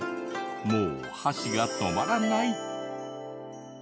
もう箸が止まらない！